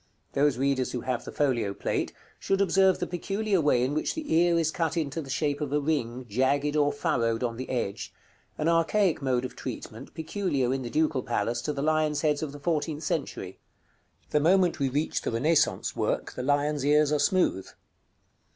Those readers who have the folio plate, should observe the peculiar way in which the ear is cut into the shape of a ring, jagged or furrowed on the edge; an archaic mode of treatment peculiar, in the Ducal Palace, to the lions' heads of the fourteenth century. The moment we reach the Renaissance work, the lions' ears are smooth.